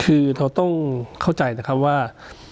คือเราต้องเข้าใจนะครับว่า